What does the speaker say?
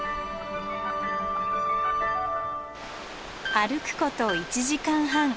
歩くこと１時間半。